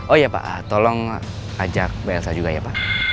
oh iya pak tolong ajak blsa juga ya pak